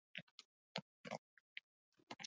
Euren esperma jaso eta errituetarako erabiltzen dute.